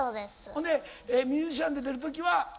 ほんでミュージシャンで出る時は。